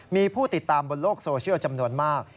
มีผู้ติดตามบนโลกโซเชียลจำนวนมาก